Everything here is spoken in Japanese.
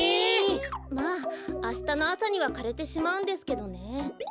まああしたのあさにはかれてしまうんですけどね。